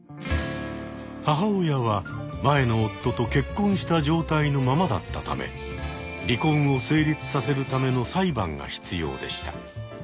母親は前の夫と結婚した状態のままだったため離婚を成立させるための裁判が必要でした。